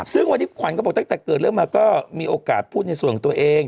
ซึ่งวันนี้ขวัญก็บอกตั้งแต่เกิดเรื่องมาก็มีโอกาสพูดในส่วนตัวเอง